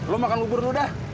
lo makan lubur udah